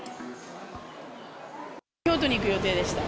京都に行く予定でした。